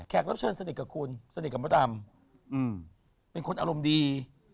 รับเชิญสนิทกับคุณสนิทกับมดดำเป็นคนอารมณ์ดี